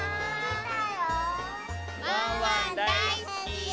ワンワンだいすき！